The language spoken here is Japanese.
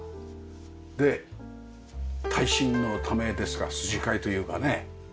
で耐震のためですか筋交いというかねワイヤが。